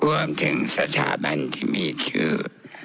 รวมถึงสถาบันที่มีชื่อ